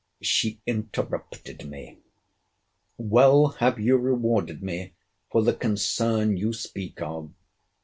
] She interrupted me—Well have you rewarded me for the concern you speak of!